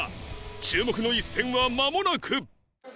注目の一戦はまもなく。